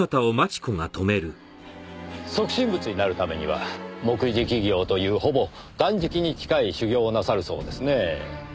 即身仏になるためには木食行というほぼ断食に近い修行をなさるそうですねぇ。